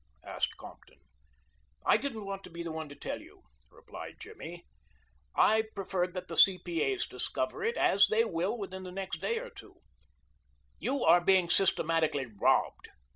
asked Compton. "I didn't want to be the one to tell you," replied Jimmy. "I preferred that the C.P.A.'s discover it, as they will within the next day or two you are being systematically robbed.